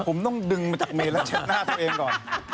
ผมต้องดึงมาจากเมฟึ้งอารมณ์แล้วแช่งหน้าเธอเองก่อน